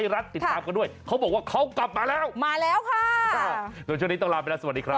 เราช่วงนี้ต้องลาไปแล้วสวัสดีครับ